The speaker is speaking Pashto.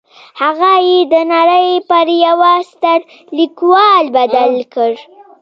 هغه يې د نړۍ پر يوه ستر ليکوال بدل کړ.